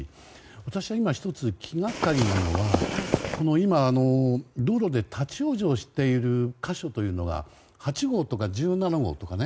私は今、１つ気がかりなのは道路で立ち往生している箇所というのが８号とか１７号とかね